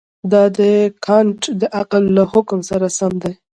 دا د کانټ د عقل له حکم سره سم دی.